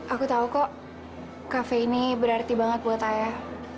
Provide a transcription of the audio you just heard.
aku tahu kok kafe ini berarti banget buat ayah